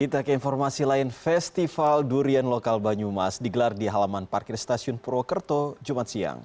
kita ke informasi lain festival durian lokal banyumas digelar di halaman parkir stasiun purwokerto jumat siang